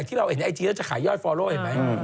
ที่เราเห็นไอจีแล้วจะขายยอดฟอลโล่เห็นไหม